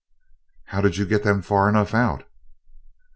"How did you get them far enough out?"